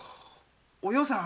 お葉さん